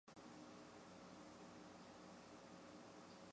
邵伯温。